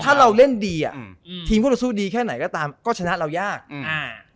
ถ้าเราเล่นดีอ่ะอืมทีมพวกเราสู้ดีแค่ไหนก็ตามก็ชนะเรายากอืมอ่า